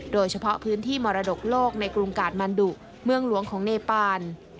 โดยเฉพาะพื้นที่มรดกโลกในกรุงกาดมันดุเมืองหลวงของเนปาน